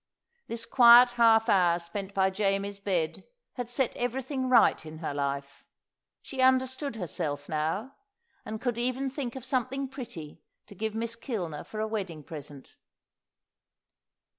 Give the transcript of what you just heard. This quiet half hour spent by Jamie's bed had set everything right in her life. She understood herself now, and could even think of something pretty to give Miss Kilner for a wedding present.